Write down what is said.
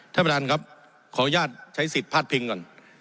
ท่านประธานครับขออนุญาตใช้สิทธิ์พาดพิงก่อน